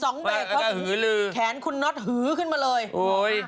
สองแบบเขาแขนคุณน็อตหื้อขึ้นมาเลย